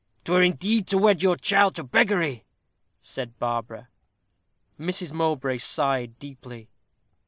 "'Twere indeed to wed your child to beggary," said Barbara. Mrs. Mowbray sighed deeply.